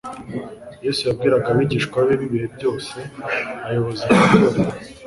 Yesu yabwiraga abigishwa be b'ibihe byose: abayobozi mu itorero,